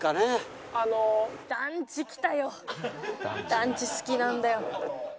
団地好きなんだよ。